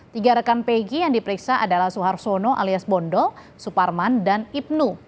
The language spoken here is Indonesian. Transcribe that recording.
tiga rekan pegi yang diperiksa adalah suharsono alias bondol suparman dan ibnu